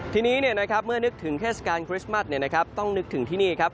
ทีนี้เนี่ยนะครับเมื่อนึกถึงเทศกาลคริสต์มัสเนี่ยนะครับต้องนึกถึงที่นี่ครับ